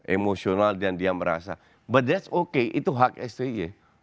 emosional dan dia merasa but that s okay itu hak sti